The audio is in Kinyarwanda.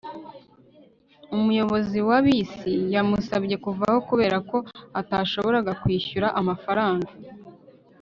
umuyobozi wa bisi yamusabye kuvaho kubera ko atashoboraga kwishyura amafaranga